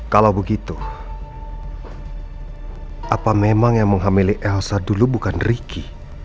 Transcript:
kalau begitu apa memang yang menghamili elsa dulu bukan ricky